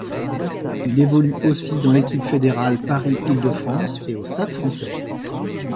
Il évolue aussi dans l'Équipe fédérale Paris-Île-de-France et au Stade français.